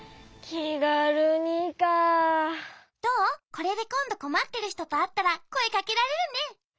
これでこんどこまってるひととあったらこえかけられるね。